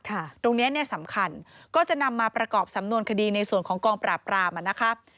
ตรงนี้เนี่ยสำคัญก็จะนำมาประกอบสำนวนคดีในส่วนของกองปราบรามอ่ะนะคะ